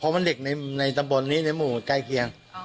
เพราะมันเด็กในตำบลนี้ในหมู่ใกล้เคียง